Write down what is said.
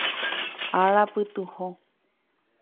Ára pytuho.